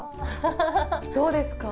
どうですか？